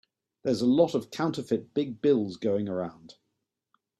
There's a lot of counterfeit big bills going around.